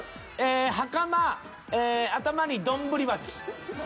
はかま頭に丼鉢。